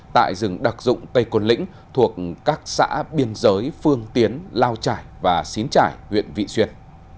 tại rừng đặc dụng tây côn lĩnh thuộc các xã biên giới phương tiến lao trải và xín trải huyện vị xuyên